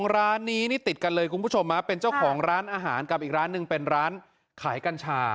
ร้านนี้นี่ติดกันเลยคุณผู้ชมเป็นเจ้าของร้านอาหารกับอีกร้านหนึ่งเป็นร้านขายกัญชา